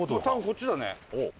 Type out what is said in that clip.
多分こっちだね。